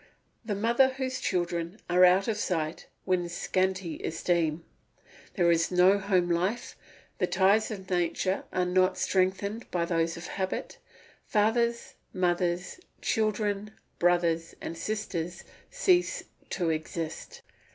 The mother whose children are out of sight wins scanty esteem; there is no home life, the ties of nature are not strengthened by those of habit; fathers, mothers, children, brothers, and sisters cease to exist.